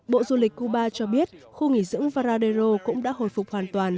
bộ du lịch cuba cho biết khu nghỉ dưỡng varadero cũng đã hồi phục hoàn toàn